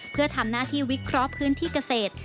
เพื่อทำหน้าที่วิเคราะห์พื้นที่เกษตร